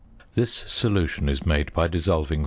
~ This solution is made by dissolving 5.